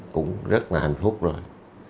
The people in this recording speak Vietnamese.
cũng rất là hạnh phúc rồi